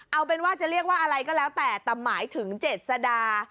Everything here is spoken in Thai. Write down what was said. เอาเป็นว่าจะเรียกว่าอะไรก็แล้วแต่แต่หมายถึงเจ็ดสดา